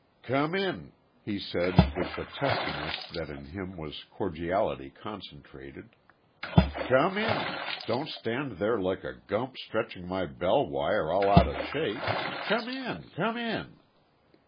"Come in," he said, with the testiness that in him was cordiality concentrated. "Come in. Don't stand there like a gump stretching my bell wire all out of shape. Come in. Come in."